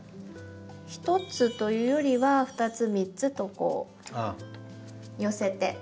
１つというよりは２つ３つとこう寄せて。